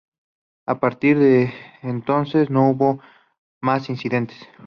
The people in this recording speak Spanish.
A partir de entonces, no hubo más incidentes.